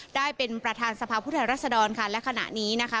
ได้เป็นประธานสภาพผู้แทนรัศดรค่ะและขณะนี้นะคะ